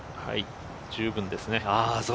十分ですね。